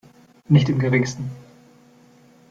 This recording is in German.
Nicht im Geringsten.